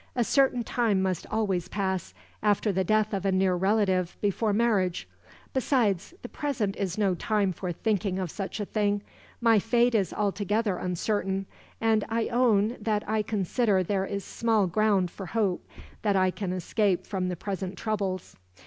"A certain time must always pass, after the death of a near relative, before marriage. Besides, the present is no time for thinking of such a thing. My fate is altogether uncertain, and I own that I consider there is small ground for hope that I can escape from the present troubles.